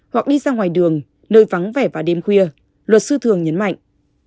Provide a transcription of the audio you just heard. hoặc đi ra ngoài đường nơi vắng vẻ vào đêm khuya luật sư thường nhấn mạnh